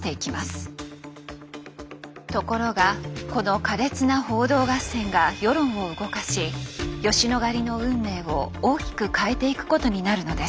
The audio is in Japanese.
ところがこの苛烈な報道合戦が世論を動かし吉野ヶ里の運命を大きく変えていくことになるのです。